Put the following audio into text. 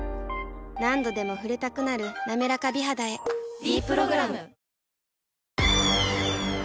何度でも触れたくなる「なめらか美肌」へ「ｄプログラム」